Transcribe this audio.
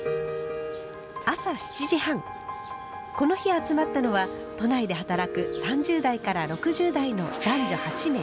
この日集まったのは都内で働く３０代から６０代の男女８名。